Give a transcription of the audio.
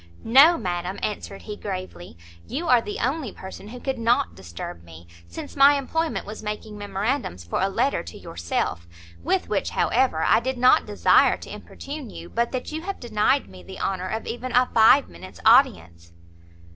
"No, madam," answered he, gravely; "you are the only person who could not disturb me, since my employment was making memorandums for a letter to yourself; with which, however, I did not desire to importune you, but that you have denied me the honour of even a five minutes' audience."